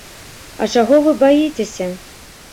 А чаго вы баіцеся?